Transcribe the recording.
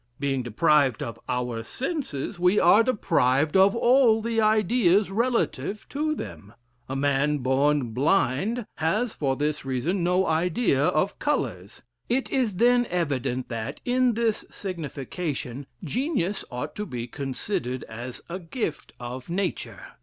Being deprived of our senses, we are deprived of all the ideas relative to them: a man born blind has for this reason no idea of colors; it is then evident that, in this signification, genius ought to be considered as a gift of nature.